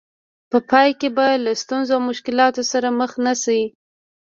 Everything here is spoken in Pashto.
په پای کې به له ستونزو او مشکلاتو سره مخ نه شئ.